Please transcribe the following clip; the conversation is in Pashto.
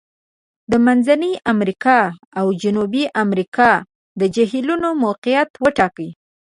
د منځني امریکا او جنوبي امریکا د جهیلونو موقعیت وټاکئ.